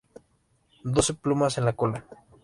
Doce plumas en la cola.